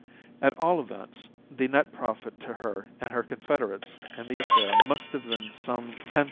At all events, the net profit to her and her confederates in the affair must have been some £10,000.